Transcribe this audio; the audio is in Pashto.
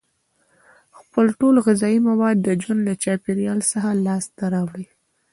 خپل ټول غذایي مواد د ژوند له چاپیریال څخه لاس ته راوړي.